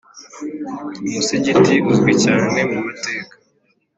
umusigiti uzwi cyane mu mateka